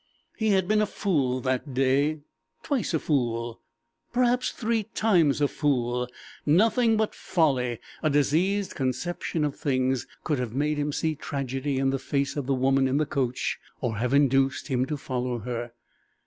He had been a fool that day, twice a fool, perhaps three times a fool. Nothing but folly, a diseased conception of things, could have made him see tragedy in the face of the woman in the coach, or have induced him to follow her.